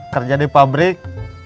kerja di pabrik